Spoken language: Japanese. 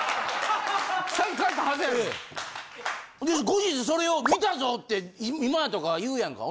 後日それを見たぞって今田とかが言うやんか。